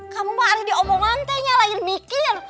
kamu mah ada diomongan teh nyalahin mikir